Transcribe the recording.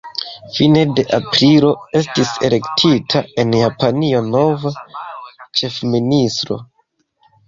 Fine de aprilo estis elektita en Japanio nova ĉefministro.